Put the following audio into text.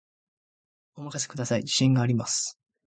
お任せください、自信があります